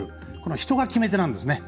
人が決め手なんですね。